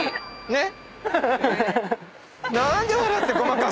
ねっ！